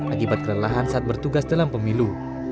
akibat kelelahan saat bertugas dalam pemilu